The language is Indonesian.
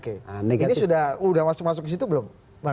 ini sudah masuk masuk ke situ belum